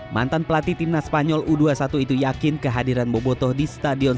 mantan pelatih timnas spanyol u dua puluh satu itu yakin kehadiran bobotoh di stadion